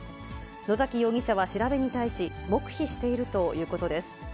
野嵜容疑者は調べに対し、黙秘しているということです。